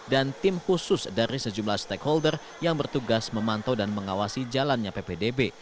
dan tim khusus dari sejumlah stakeholder yang bertugas memantau dan mengawasi jalannya ppdb